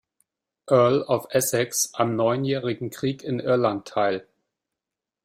Earl of Essex am Neunjährigen Krieg in Irland teil.